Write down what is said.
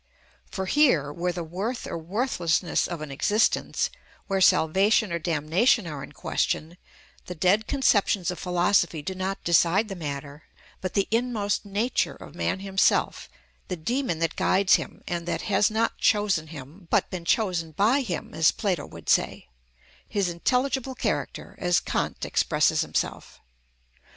For here, where the worth or worthlessness of an existence, where salvation or damnation are in question, the dead conceptions of philosophy do not decide the matter, but the inmost nature of man himself, the Dæmon that guides him and that has not chosen him, but been chosen by him, as Plato would say; his intelligible character, as Kant expresses himself.